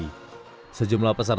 sejumlah peserta juga melakukan juggling